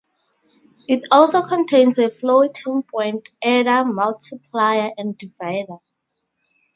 It also contains a floating point adder, multiplier, and divider.